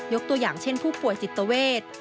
ตัวอย่างเช่นผู้ป่วยจิตเวท